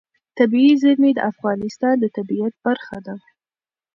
طبیعي زیرمې د افغانستان د طبیعت برخه ده.